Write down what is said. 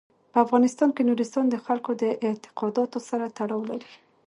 په افغانستان کې نورستان د خلکو د اعتقاداتو سره تړاو لري.